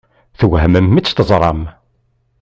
Twehmem mi tt-teẓṛam?